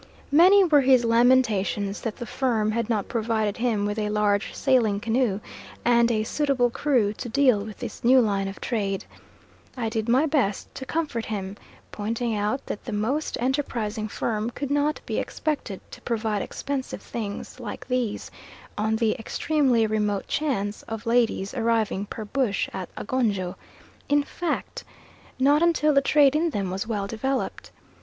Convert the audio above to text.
Many were his lamentations that the firm had not provided him with a large sailing canoe and a suitable crew to deal with this new line of trade. I did my best to comfort him, pointing out that the most enterprising firm could not be expected to provide expensive things like these, on the extremely remote chance of ladies arriving per bush at Agonjo in fact not until the trade in them was well developed.